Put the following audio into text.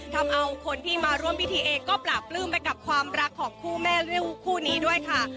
ทำเอาคนที่มาร่วมพิธีเองก็ปราบปลื้มไปกับความรักของคู่แม่ริ้วคู่นี้ด้วยค่ะ